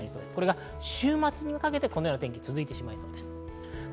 週末にかけてこのような天気が続いてしまいます。